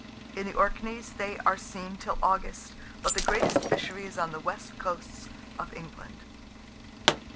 In the Orkneys they are seen till August; but the greatest fishery is on the west coasts of England.